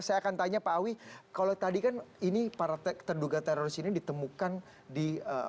saya akan tanya pak awi kalau tadi kan ini para terduga teroris ini ditemukan di